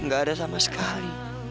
gak ada sama sekali